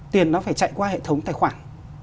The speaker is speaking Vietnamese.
tiền nó phải chạy qua hệ thống tài khoản